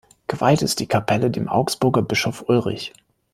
Geweiht ist die Kapelle dem Augsburger Bischof Ulrich.